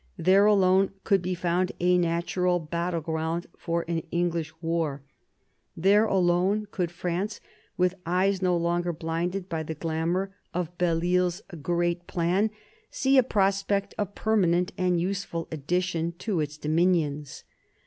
There alone could be found a natural battleground for an English war; there alone could France, with eyes no longer blinded by the glamour of Belleisle's great 1743 45 WAR OF SUCCESSION 33 plan, see a prospect of permanent and useful addition to its dominions.